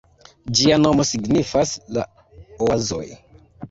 Ĝia nomo signifas "la oazoj".